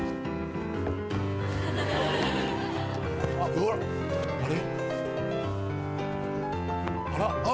うわっあれ？